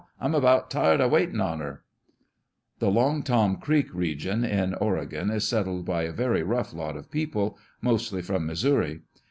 I'm about tired of waitin' on her !" The " Long Tom Creek" region in Oregon is settled by a very rough lot of people, mostly from Missouri.